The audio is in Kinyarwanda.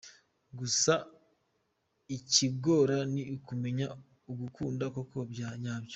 Gusa ikigora ni ukumenya ugukunda koko bya nyabyo.